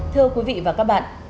thưa quý vị và các bạn